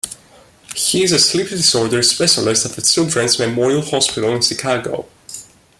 He is a sleep disorders specialist at the Children's Memorial Hospital in Chicago.